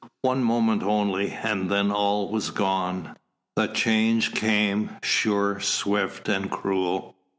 One moment only, and then all was gone. The change came, sure, swift and cruel.